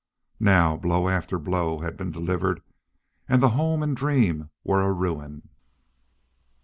Now, blow after blow had been delivered, and the home and dream were a ruin.